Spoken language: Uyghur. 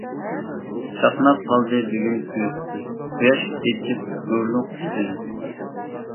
چاقناپ قالدى بۈگۈن تۇيۇقسىز، قۇياش ئېچىپ نۇرلۇق يۈزىنى.